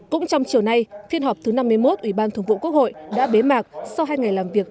cũng trong chiều nay phiên họp thứ năm mươi một ủy ban thường vụ quốc hội đã bế mạc sau hai ngày làm việc